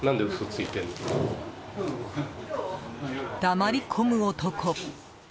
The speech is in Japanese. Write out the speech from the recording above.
黙り込む男。